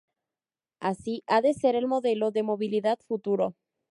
así ha de ser el modelo de movilidad futuro